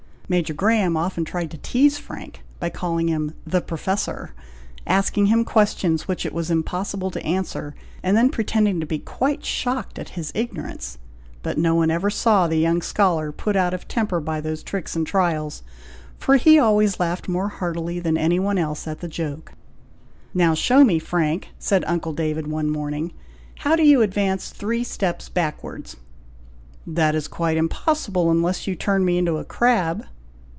Major Graham often tried to teaze Frank, by calling him "the Professor," asking him questions which it was impossible to answer, and then pretending to be quite shocked at his ignorance; but no one ever saw the young scholar put out of temper by those tricks and trials, for he always laughed more heartily than any one else, at the joke. "Now show me, Frank," said uncle David, one morning, "how do you advance three steps backwards?" "That is quite impossible, unless you turn me into a crab."